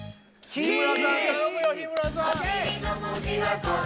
日村さん頼むよ日村さんＯＫ！